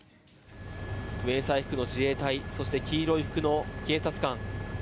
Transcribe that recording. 迷彩服の自衛隊そして黄色い服の警察官。